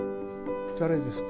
誰ですか？